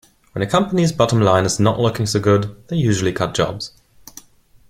When a company's bottom line is not looking so good, they usually cut jobs.